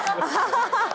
ハハハハ！